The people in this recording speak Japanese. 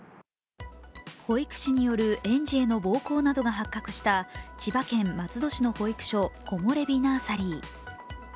保育士による園児への暴行などが発覚した千葉県松戸市の保育所コモレビ・ナーサリー。